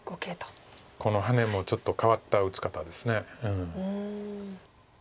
このハネもちょっと変わった打ち方です。